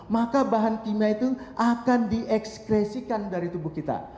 maka bahan kimia itu akan diekspresikan dari tubuh kita